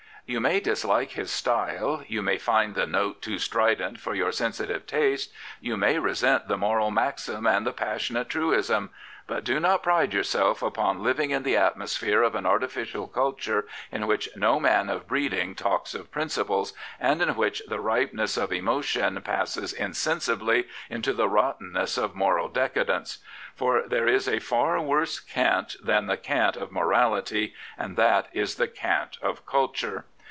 '* You may dislike his style, you may find the note too strident for your sensitive taste, you may resent the moral maxim and the passionate truism ; but do not pride yourself upon living in the atmosphere of an artificial culture in which no man of breeding talks of principles, and in which the ripeness of emotion passes insensibly into the rottenness of moral decadence. For there is a far worse cant than the cant of morality, and that is the cant of culture.